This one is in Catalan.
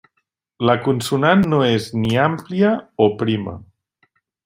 La consonant no és ni àmplia o prima.